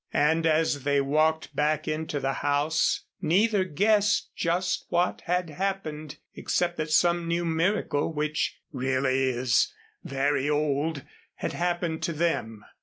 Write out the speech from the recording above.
And as they walked back into the house neither guessed just what had happened except that some new miracle, which, really, is very old, had happened to them.